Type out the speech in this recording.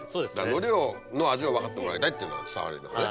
海苔の味を分かってもらいたいっていうのは伝わりますね。